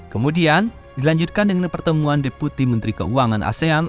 kemudian dilanjutkan dengan pertemuan deputi menteri keuangan asean